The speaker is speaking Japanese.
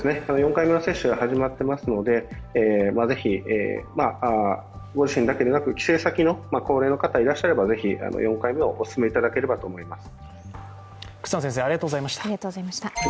４回目の接種が始まってますのでご自身だけでなく、帰省先に高齢の方がいらっしゃればぜひ４回目をおすすめいただければと思います。